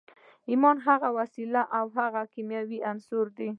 ایمان هغه وسیله او هغه کیمیاوي عنصر دی